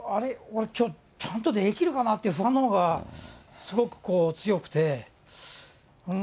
俺、きょう、ちゃんとできるかなっていう不安のほうがすごくこう、強くて。